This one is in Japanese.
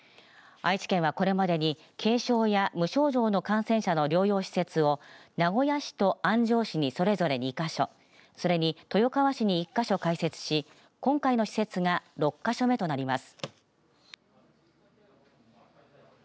愛知県はこれまでに軽症や無症状の感染者の療養施設を名古屋市と安城市にそれぞれ２か所それに豊川市に１か所開設し、今回の施設が６か所目となります。